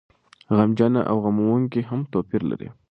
غمجنه او غموونکې هم توپير لري.